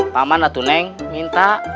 pak man neng minta